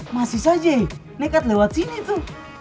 masih saja nekat lewat sini tuh